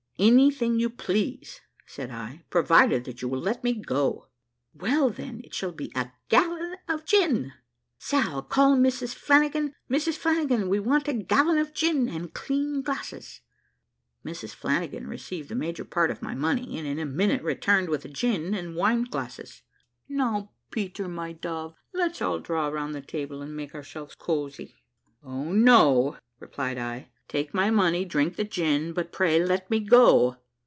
"Anything you please," said I, "provided that you will let me go." "Well, then, it shall be a gallon of gin. Sall, call Mrs Flanagan. Mrs Flanagan, we want a gallon of gin, and clean glasses." Mrs Flanagan received the major part of my money, and in a minute returned with the gin and wine glasses. "Now, Peter, my cove, let's all draw round the table, and make ourselves cosy." "O no," replied I, "take my money, drink the gin, but pray let me go!"